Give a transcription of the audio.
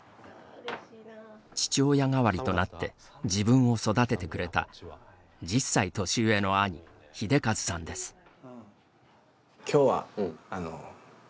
父親代わりとなって自分を育ててくれた１０歳年上の兄、秀和さんです。